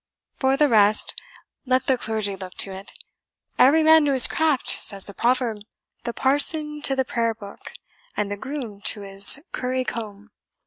For the rest, let the clergy look to it. Every man to his craft, says the proverb the parson to the prayer book, and the groom to his curry comb.